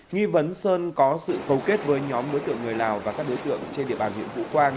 nghi vấn sơn có sự cầu kết với nhóm đối tượng người lào và các đối tượng trên địa bàn huyện vũ quang